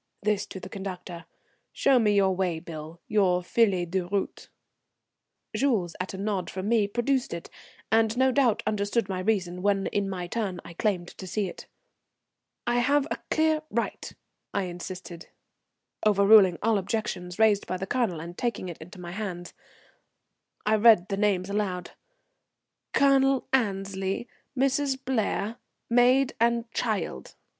this to the conductor. "Show me your way bill, your feuille de route." Jules at a nod from me produced it, and no doubt understood my reason when in my turn I claimed to see it. "I have a clear right," I insisted, overruling all objections raised by the Colonel; and taking it into my hands I read the names aloud, "Colonel Annesley, Mrs. Blair, maid and child."